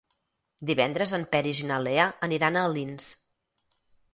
Divendres en Peris i na Lea aniran a Alins.